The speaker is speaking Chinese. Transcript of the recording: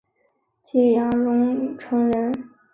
揭阳榕城人。